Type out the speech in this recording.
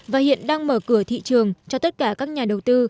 và hiện đang mở cửa thị trường cho tất cả các nhà đầu tư